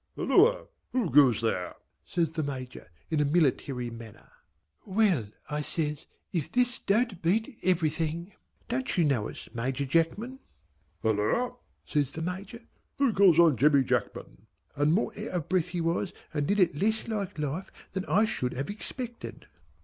"Halloa! who goes there?" says the Major in a military manner. "Well!" I says, "if this don't beat everything! Don't you know us Major Jackman?" "Halloa!" says the Major. "Who calls on Jemmy Jackman?" (and more out of breath he was, and did it less like life than I should have expected.)